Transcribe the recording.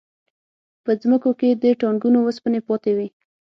په ځمکو کې د ټانکونو وسپنې پاتې وې